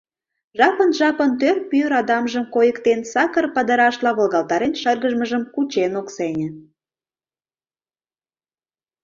Жапын-жапын тӧр пӱй радамжым койыктен, сакыр падырашла волгалтарен, шыргыжмыжым кучен ок сеҥе.